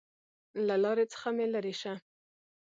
له لارې څخه مې لېرې شه!